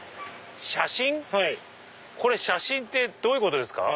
写真⁉写真ってどういうことですか？